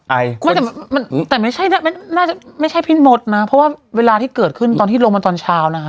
ไม่แต่มันแต่ไม่ใช่ไม่น่าจะไม่ใช่พี่มดนะเพราะว่าเวลาที่เกิดขึ้นตอนที่ลงมาตอนเช้านะคะ